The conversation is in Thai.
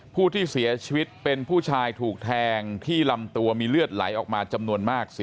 ผู้ที่เสียชีวิตเป็นผู้ชายถูกแทงที่ลำตัวมีเลือดไหลออกมาจำนวนมาก